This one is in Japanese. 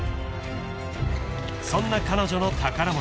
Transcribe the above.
［そんな彼女の宝物。